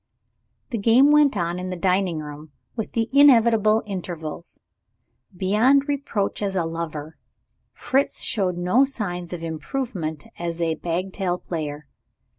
The game went on in the dining room with the inevitable intervals. Beyond reproach as a lover, Fritz showed no signs of improvement as a bagatelle player.